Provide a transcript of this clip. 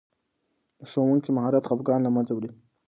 د ښوونکي مهارت خفګان له منځه وړي.